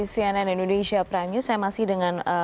cnn indonesia prime news saya masih dengan